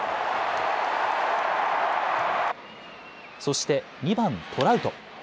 そして２番・トラウト。